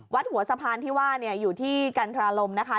หัวสะพานที่ว่าอยู่ที่กันทราลมนะคะ